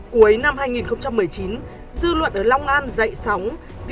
cuối năm hai nghìn một mươi chín dư luận ở long an dậy sóng